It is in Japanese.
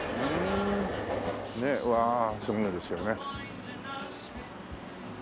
わあすごいですよね。